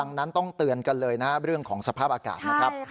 ดังนั้นต้องเตือนกันเลยนะครับเรื่องของสภาพอากาศนะครับ